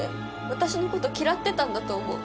私のこと嫌ってたんだと思う。